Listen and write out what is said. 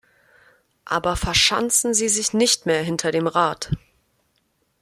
Aber verschanzen Sie sich nicht mehr hinter dem Rat!